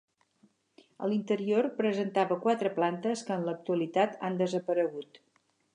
A l'interior presentava quatre plantes que en l'actualitat han desaparegut.